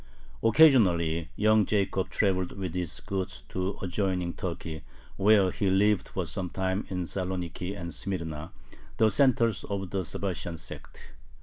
Occasionally young Jacob traveled with his goods to adjoining Turkey, where he lived for some time in Saloniki and Smyrna, the centers of the Sabbatian sect.